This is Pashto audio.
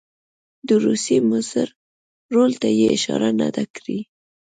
د روسیې مضر رول ته یې اشاره نه ده کړې.